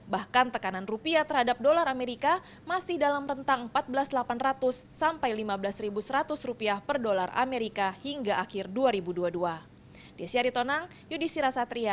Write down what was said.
bahkan tekanan rupiah terhadap dolar amerika masih dalam rentang empat belas delapan ratus sampai lima belas seratus rupiah per dolar amerika hingga akhir dua ribu dua puluh dua